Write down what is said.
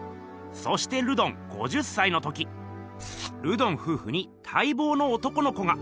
そしてルドン５０歳の時ルドンふうふにたいぼうの男の子が。